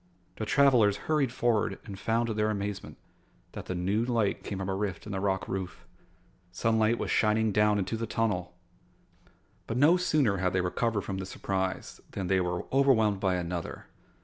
The travelers hurried forward and found to their amazement that the new light came from a rift in the rock roof. Sunlight was shining down into the tunnel! But no sooner had they recovered from this surprise than they were overwhelmed by another.